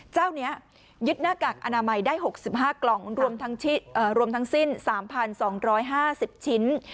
เจ้านี้ยึดหน้ากากอนามัยได้๖๕กล่องรวมทั้งสิ้น๓๒๕๐ชิ้น